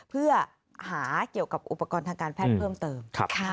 เพื่อหาเกี่ยวกับอุปกรณ์ทางการแพทย์เพิ่มเติม